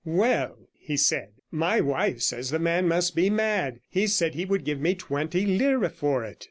"Well," he said, "my wife says the man must be mad; he said he would give me twenty lire for it."